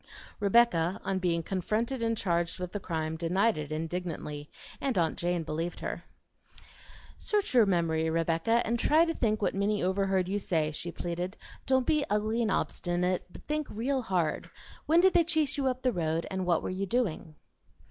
Rebecca, on being confronted and charged with the crime, denied it indignantly, and aunt Jane believed her. "Search your memory, Rebecca, and try to think what Minnie overheard you say," she pleaded. "Don't be ugly and obstinate, but think real hard. When did they chase you up the road, and what were you doing?"